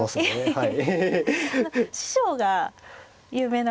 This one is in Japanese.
はい。